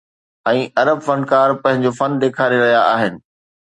۽ عرب فنڪار پنهنجو فن ڏيکاري رهيا آهن.